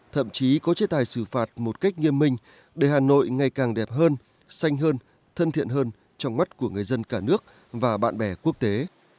thậm chí có chế tài xử phạt một cách nghiêm minh để hà nội ngày càng đẹp hơn xanh hơn thân thiện hơn trong mắt của người dân cả nước và bạn bè quốc tế